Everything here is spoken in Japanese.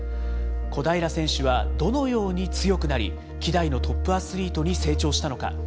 小平選手はどのように強くなり、希代のトップアスリートに成長したのか。